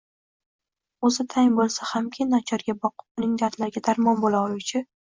O’zi tang bo’lsa hamki, nochorga boqib, uning dardlariga darmon bo’la oluvchi